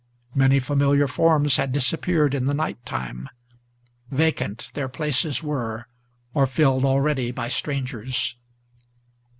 Many familiar forms had disappeared in the night time; Vacant their places were, or filled already by strangers.